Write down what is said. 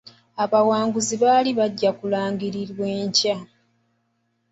Abawanguzi ba liigi bajja kulangirirwa enkya .